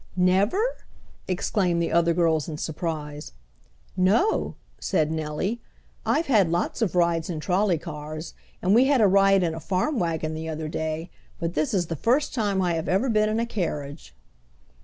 "Never!" exclaimed the other girls in surprise. "No," said Nellie. "I've had lots of rides in trolley cars, and we had a ride in a farm wagon the other day, but this is the first time I have ever been in a carriage."